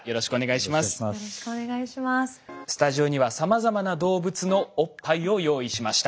スタジオにはさまざまな動物のおっぱいを用意しました。